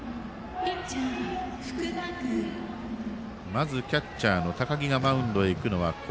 まずキャッチャーの高木がマウンドに。